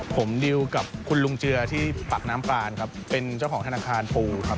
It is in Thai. ผมดิวกับคุณลุงเจือที่ปากน้ำปลานครับเป็นเจ้าของธนาคารปูครับ